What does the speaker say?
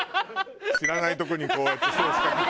知らないとこにこうやってソースかけて。